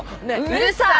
うるさい。